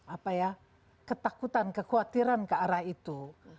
ada ketakutan kekhawatiran ke arah itu